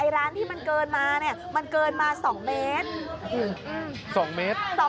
ร้านที่มันเกินมามันเกินมา๒เมตร๒เมตร